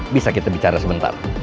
bisa kita bicara sebentar